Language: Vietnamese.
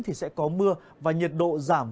thì sẽ có mưa và nhiệt độ giảm